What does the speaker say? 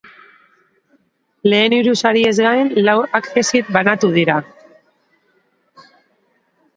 Lehen hiru sariez gain lau accesit banatu dira.